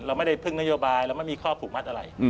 เราไม่ได้พึ่งนโยบายเราไม่มีข้อผูกมัดอะไร